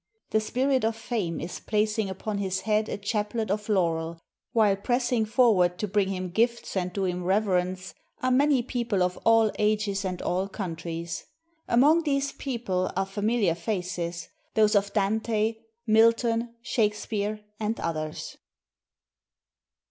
The spirit of Fame is placing upon his head a chaplet of laurel, while pressing forward to bring him gifts and do him reverence are many people of all ages and all countries. Among these people are familiar faces, — those of Dante, Milton, Shakespeare, and others.